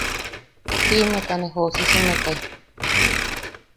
Siimeta ne joʼosisimekai.